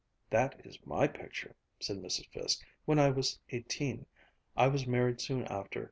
"That is my picture," said Mrs. Fiske, "when I was eighteen. I was married soon after.